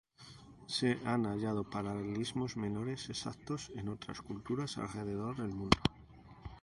Se han hallado paralelismos menos exactos en otras culturas alrededor del mundo.